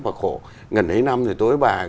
bà khổ gần lấy năm rồi tôi với bà